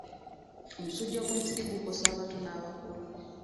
Omusujja gw'ensiri gukosa abato n'abakulu.